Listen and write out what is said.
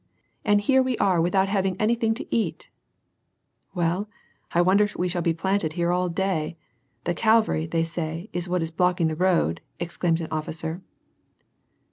And here we are without having anything to eat !"Well, 1 wonder if we shall be planted here all day ? The cavalry, they say, is what is blocking the road," exclaimed an officer.